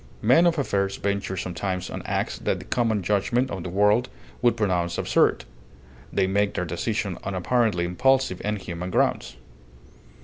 Men of affairs venture sometimes on acts that the common judgment of the world would pronounce absurd; they make their decisions on apparently impulsive and human grounds.